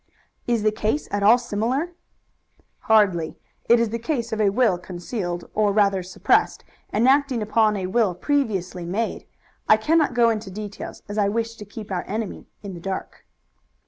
"Is the case at all similar?" "Hardly. It is the case of a will concealed, or rather suppressed, and acting upon a will previously made. I cannot go into details, as I wish to keep our enemy in the dark."